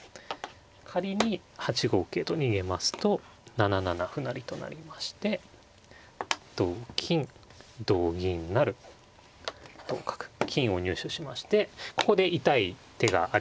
仮に８五桂と逃げますと７七歩成と成りまして同金同銀成同角金を入手しましてここで痛い手がありますね。